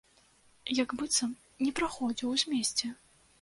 Як быццам не праходзіў у змесце!